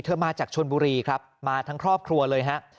มาจากชนบุรีครับมาทั้งครอบครัวเลยฮะ